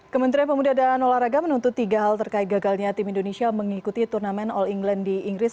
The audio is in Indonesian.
kementerian pemuda dan olahraga menuntut tiga hal terkait gagalnya tim indonesia mengikuti turnamen all england di inggris